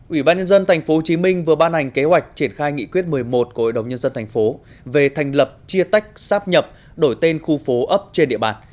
ủy ban nhân dân tp hcm vừa ban hành kế hoạch triển khai nghị quyết một mươi một của ủy đồng nhân dân tp về thành lập chia tách sáp nhập đổi tên khu phố ấp trên địa bàn